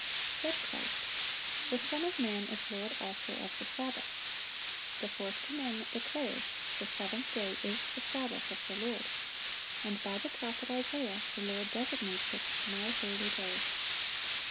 Said Christ, "The Son of man is Lord also of the Sabbath." The fourth commandment declares, "The seventh day is the Sabbath of the Lord." And by the prophet Isaiah the Lord designates it, "My holy day."